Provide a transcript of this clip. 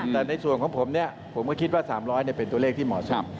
แต่ในส่วนของผมเนี่ยผมก็คิดว่า๓๐๐เป็นตัวเลขที่เหมาะสม